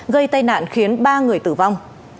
gây tai nạn khiến ba người tử vong